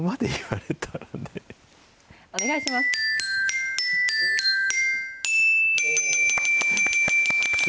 お願いします。